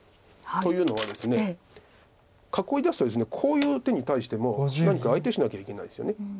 というのはですね囲いだすとですねこういう手に対しても何か相手しなきゃいけないですよね。